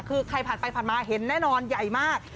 คือใครผ่านไปผ่านมาเห็นแน่นอนใหญ่มาก